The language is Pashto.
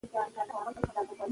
پښتو د کلتوري غورزی اصولو بڼه ده.